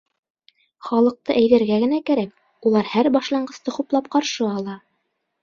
— Халыҡты әйҙәргә генә кәрәк, улар һәр башланғысты хуплап ҡаршы ала.